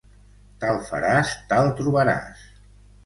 Tal faràs, tal trobaràs.